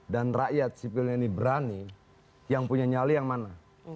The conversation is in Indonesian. dan rakyat sipil ini berani yang punya nyali yang mana